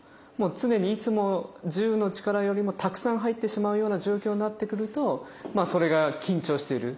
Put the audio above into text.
常にいつも１０の力よりもたくさん入ってしまうような状況になってくるとそれが緊張している。